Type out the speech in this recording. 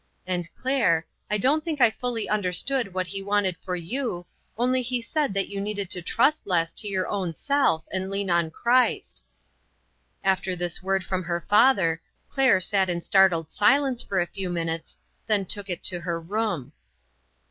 And Claire, I don't think I fully understood what he wanted for you, only he said that you needed to trust lets to your own self, and lean on Christ." WHY? 31 After this word from her father, Claire sat in startled silence for a few minutes, then took it to her room.